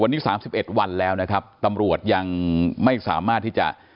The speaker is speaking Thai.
วันนี้๓๑วันแล้วนะครับตำรวจยังไม่สามารถที่จะ